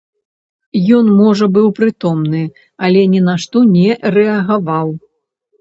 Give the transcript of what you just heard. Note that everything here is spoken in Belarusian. Ён можа быў прытомны, але ні на што не рэагаваў.